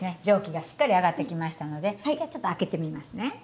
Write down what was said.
蒸気がしっかり上がってきましたのでじゃあちょっと開けてみますね。